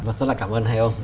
rất là cảm ơn hai ông